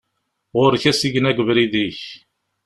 Ɣur-k asigna deg ubrid-ik!